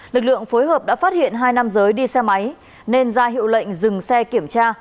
lực lượng phối hợp đã phát hiện hai nam giới đi xe máy nên ra hiệu lệnh dừng xe kiểm tra